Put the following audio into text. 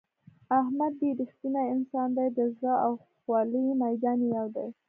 احمد ډېر رښتینی انسان دی د زړه او خولې میدان یې یو دی.